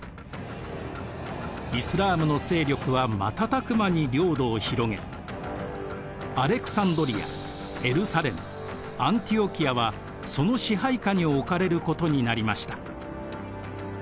イスラームの勢力は瞬く間に領土を広げアレクサンドリアエルサレムアンティオキアはその支配下に置かれることになりました。